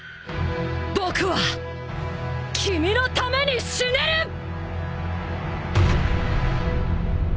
僕は君のために死ねる！